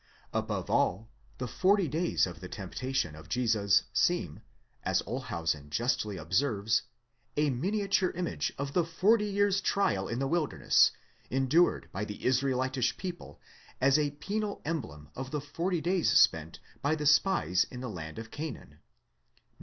Above all, the forty days of the temptation of Jesus seem, as Olshausen justly observes, a miniature image of the forty years' trial in the wilderness, endured by the Israelitish people as a penal emblem of the forty days spent by the spies in the land of Canaan (Num.